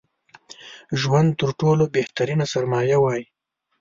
ژوند تر ټولو بهترينه سرمايه وای